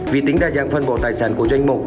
vì tính đa dạng phân bộ tài sản của doanh mục